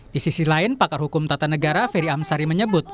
di sisi lain pakar hukum tata negara ferry amsari menyebut